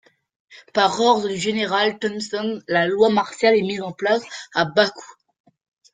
Par ordre du général Thomson, la loi martiale est mise en place à Bakou.